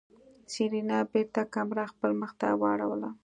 سېرېنا بېرته کمره خپل مخ ته واړوله.